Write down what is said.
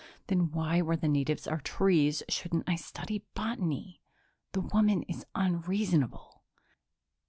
Then why, where the natives are trees, shouldn't I study botany? The woman is unreasonable.